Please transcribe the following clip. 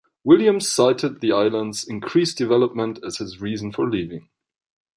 Williams cited the island's increased development as his reason for leaving.